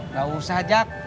nggak usah jak